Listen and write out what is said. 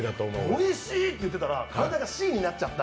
おいしいと言ってたら、体がＣになっちゃった。